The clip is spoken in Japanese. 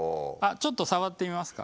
ちょっと触ってみますか？